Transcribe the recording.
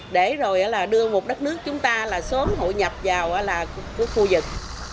để rồi là đưa một đất nước chúng ta là sớm hội nhập vào là khu vực